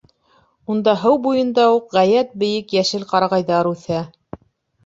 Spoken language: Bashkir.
Унда, һыу буйында уҡ, ғәйәт бейек йәшел ҡарағайҙар үҫә.